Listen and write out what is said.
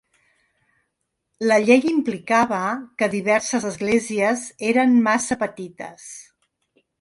La llei implicava que diverses esglésies eren massa petites.